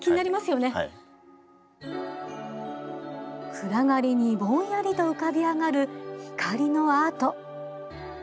暗がりにぼんやりと浮かび上がる光のアート。